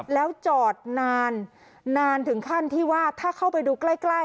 แล้วจอดนานนานถึงขั้นที่ว่าถ้าเข้าไปดูใกล้